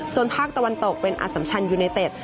ส่วนภาคตะวันตกเป็นอสัมชันยูไนเต็ด